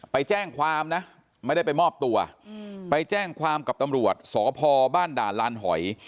ไปแจ้งความนะไม่ได้ไปมอบตัวไปแจ้งความกับตำรวจสพบ้านด่านลานหอย